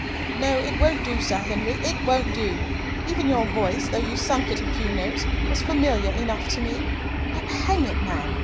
"No, it won't do, Sir Henry it won't do! Even your voice, though you sunk it a few notes, was familiar enough to me. But hang it, man!